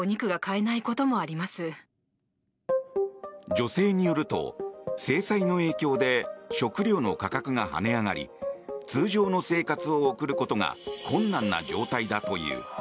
女性によると制裁の影響で食料の価格が跳ね上がり通常の生活を送ることが困難な状態だという。